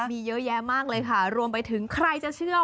มีเยอะแยะมากเลยค่ะรวมไปถึงใครจะเชื่อ